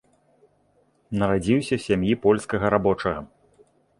Нарадзіўся ў сям'і польскага рабочага.